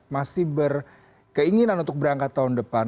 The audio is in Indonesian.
masih berkeinginan untuk berangkat tahun depan